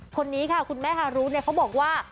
คนนี้ค่ะคุณแม่ฮารุเขาบอกว่า